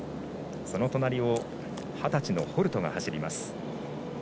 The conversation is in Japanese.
その隣を二十歳のホルトが走ります。